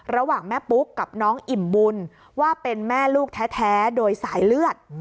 ระหว่างแม่ปุ๊กกับน้องอิ่มบุญว่าเป็นแม่ลูกแท้โดยสายเลือด